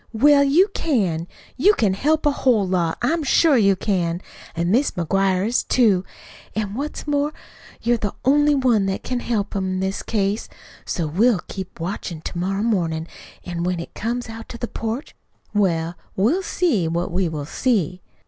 "Well, you can. You can help a whole lot. I'm sure you can. An' Mis' McGuire is, too. An' what's more, you're the only one what can help 'em, in this case. So we'll keep watch to morrow mornin', an' when he comes out on the porch well, we'll see what we will see."